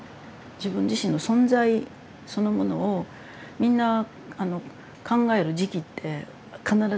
自分自身の存在そのものをみんな考える時期って必ずあるんです。